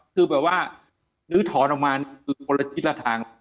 คือแบบว่ายืดถอนออกมาอยู่ตัวละชิดละทาง